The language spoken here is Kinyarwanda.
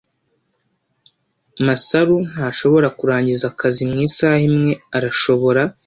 Masaru ntashobora kurangiza akazi mu isaha imwe, arashobora?